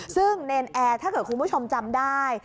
ซึ่งเนรนแอร์ถ้าเกิดคุณผู้ชมจำได้